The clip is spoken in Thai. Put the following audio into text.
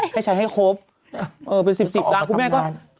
ให้ใช้ให้ครบเป็นสิบจิตกลาง